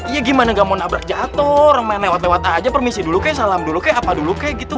iya gimana gak mau nabrak jatuh orang main lewat lewat aja permisi dulu ke salam dulu ke apa dulu ke gitu